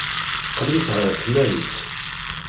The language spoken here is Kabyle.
Qqlent ɣer tnarit.